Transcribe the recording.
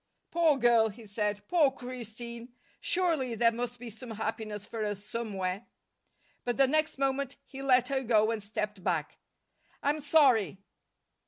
"Poor girl!" he said. "Poor Christine! Surely there must be some happiness for us somewhere." But the next moment he let her go and stepped back. "I'm sorry."